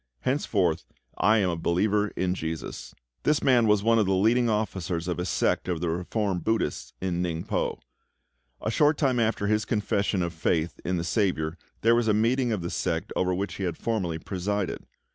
Henceforth I am a believer in JESUS." This man was one of the leading officers of a sect of reformed Buddhists in Ningpo. A short time after his confession of faith in the SAVIOUR there was a meeting of the sect over which he had formerly presided.